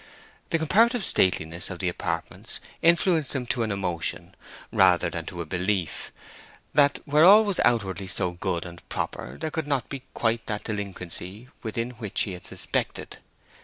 The comparative stateliness of the apartments influenced him to an emotion, rather than to a belief, that where all was outwardly so good and proper there could not be quite that delinquency within which he had suspected.